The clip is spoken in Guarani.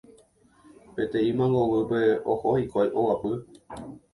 peteĩ mangoguýpe oho hikuái oguapy.